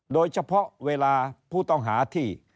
โดยเฉพาะเวลาผู้ต้องหาที่